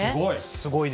すごい。